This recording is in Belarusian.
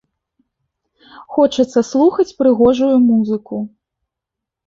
Хочацца слухаць прыгожую музыку.